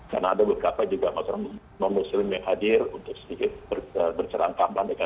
karena ada beberapa juga masyarakat non muslim yang hadir untuk sedikit bercerangkapan dengan kami